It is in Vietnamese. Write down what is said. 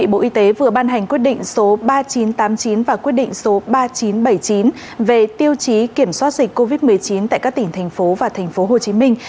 bộ y tế vừa ban hành quyết định số ba nghìn chín trăm tám mươi chín và quyết định số ba nghìn chín trăm bảy mươi chín về tiêu chí kiểm soát dịch covid một mươi chín tại các tỉnh thành phố và thành phố hồ chí minh